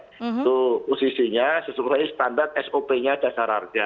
itu posisinya sesuai standar sop nya dasar harga